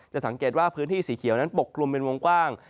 สังเกตว่าพื้นที่สีเขียวนั้นปกกลุ่มเป็นวงกว้าง